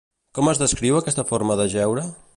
Com es descriu aquesta forma d'ajeure?